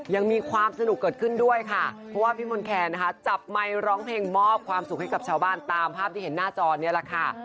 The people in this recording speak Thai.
ยังมีความสนุกเกิดขึ้นด้วยค่ะเพราะว่าพี่มนต์แคนนะคะจับไมค์ร้องเพลงมอบความสุขให้กับชาวบ้านตามภาพที่เห็นหน้าจอเนี่ยแหละค่ะ